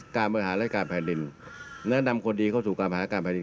การเมืองหาและการแผ่นดินและนำคนดีเข้าสู่การแผ่นดิน